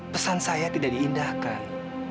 pesan saya tidak diindahkan